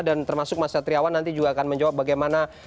dan termasuk mas ketriawan nanti juga akan menjawab bagaimana